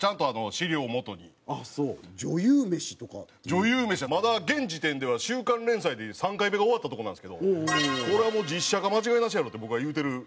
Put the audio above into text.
『女優めし』はまだ現時点では週刊連載でいう３回目が終わったとこなんですけどこれは実写化間違いなしやろって僕は言うてる。